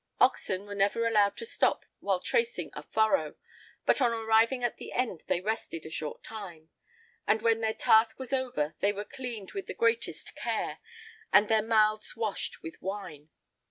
[I 29] Oxen were never allowed to stop while tracing a furrow, but on arriving at the end they rested a short time; and when their task was over they were cleaned with the greatest care, and their mouths washed with wine.